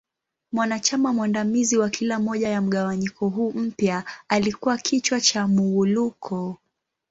Mwanachama mwandamizi wa kila moja ya mgawanyiko huu mpya alikua kichwa cha Muwuluko.